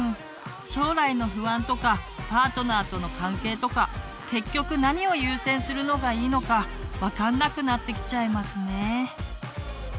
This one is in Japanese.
将来の不安とかパートナーとの関係とか結局何を優先するのがいいのか分かんなくなってきちゃいますね。